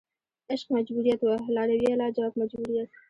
عشق مجبوریت وه لارویه لا جواب مجبوریت